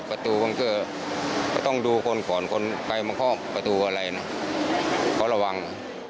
ประตูมันก็ต้องดูคนก่อนคนไปมาเคาะประตูอะไรนะเขาระวัง